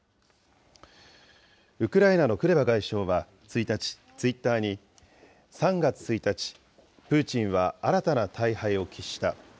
ウクライナのクレバ外相は１日、ツイッターに、３月１日、プーチンは新たな大敗を喫した。